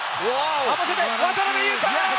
合わせて渡邊雄太！